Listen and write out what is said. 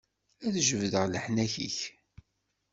Ad jebdeɣ leḥnak-ik.